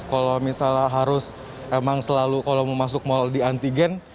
kalau misalnya harus emang selalu kalau mau masuk mal di antigen